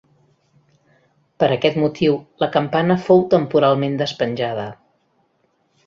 Per aquest motiu la campana fou temporalment despenjada.